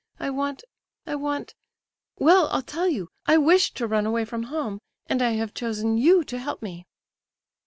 I want—I want—well, I'll tell you, I wish to run away from home, and I have chosen you to help me."